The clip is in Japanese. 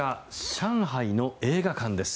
上海の映画館です。